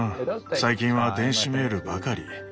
最近は電子メールばかり。